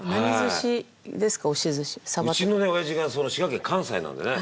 うちのおやじが滋賀県関西なんでね。